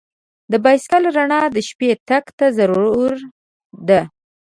د بایسکل رڼا د شپې تګ ته ضروري ده.